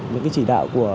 những cái chỉ đạo của